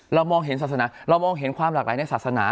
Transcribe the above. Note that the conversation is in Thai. เรามองเห็นศาสนาเรามองเห็นความหลากหลายในศาสนา